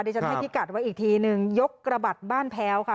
เดี๋ยวค้าทิกัดว่าอีกทีนึงยกกระบัดบ้านแพ้วค่ะ